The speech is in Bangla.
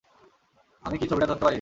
আমি কি ছবিটা ধরতে পারি?